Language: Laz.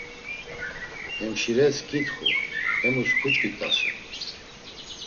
Hemşires ǩitxi, hemus kuçkit̆asen.